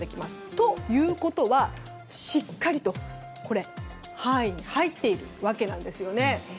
ということはしっかりと範囲に入っているわけなんですね。